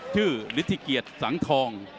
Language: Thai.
ชื่อฤทธิเกียจสังทอง